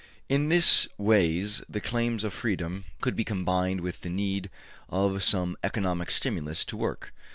In this ways the claims of freedom could be combined with the need of some economic stimulus to work.